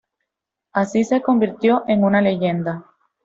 Así se convirtió en una leyenda.